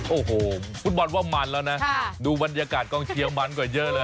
โอ้โหฟุตบอลว่ามันแล้วนะดูบรรยากาศกองเชียร์มันก็เยอะเลย